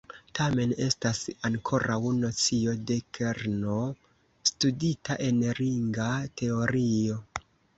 Tamen, estas ankoraŭ nocio de kerno studita en ringa teorio.